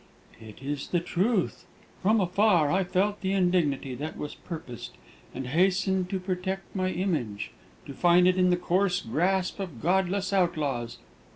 "It is the truth! From afar I felt the indignity that was purposed, and hastened to protect my image, to find it in the coarse grasp of godless outlaws.